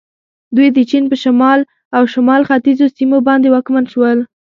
دوی د چین په شمال او شمال ختیځو سیمو باندې واکمن شول.